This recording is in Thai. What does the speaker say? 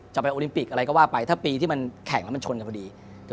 จะไปโอลิมปิกอะไรก็ว่าไปถ้าปีที่มันแข่งแล้วมันชนกันพอดี